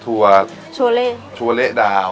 ถั่วชัวเละดาว